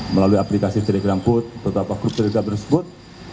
melalui aplikasi telegram beberapa grup telegram tersebut